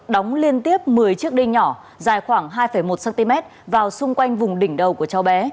đóng liên tiếp một mươi chiếc đênh nhỏ dài khoảng hai một cm vào xung quanh vùng đỉnh đầu của cháu bé